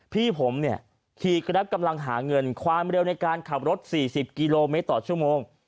พี่ผมเนี่ยขี่กระปกำลังหาเงินความเร็วในการขับรถ๔๐กิโลเมตรต่อชั่วโมง